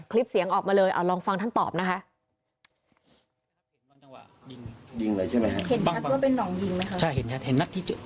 คลิปเสียงออกมาเลยลองฟังท่านตอบนะคะ